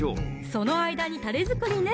その間にたれ作りね